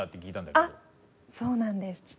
あっそうなんです！